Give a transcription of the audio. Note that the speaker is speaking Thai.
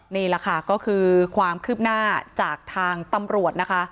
นี่แหละค่ะก็คือความคืบหน้าจากทางตำรวจนะคะ